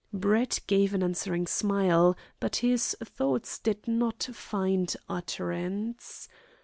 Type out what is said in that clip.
Brett gave an answering smile, but his thoughts did not find utterance.